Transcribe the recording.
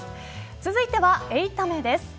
続いては８タメです。